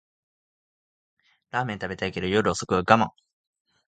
ラーメン食べたいけど夜遅くは我慢